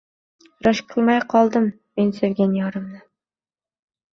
Rashk qilmay qoldim men sevgan yorimni